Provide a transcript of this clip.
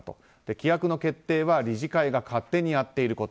規約の決定は理事会が勝手にやってること。